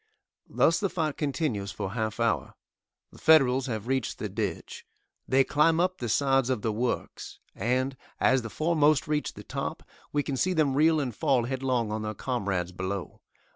Thus the fight continues for half hour. The Federals have reached the ditch. They climb up the sides of the works, and, as the foremost reach the top, we can see them reel and fall headlong on their comrades below.